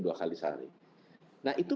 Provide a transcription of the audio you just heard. dua kali sehari nah itu